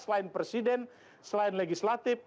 selain presiden selain legislatif